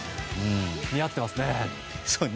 似合ってますね。